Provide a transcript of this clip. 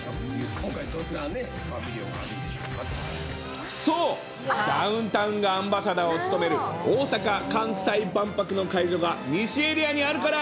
今回どんなパビリオンがあるんでそう、ダウンタウンがアンバサダーを務める、大阪・関西万博の会場が、西エリアにあるから。